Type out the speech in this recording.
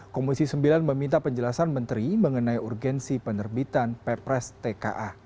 komisi sembilan meminta penjelasan menteri mengenai urgensi penerbitan perpres tka